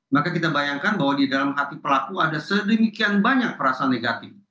maka kita bayangkan bahwa di dalam hati pelaku ada sedemikian banyak perasaan negatif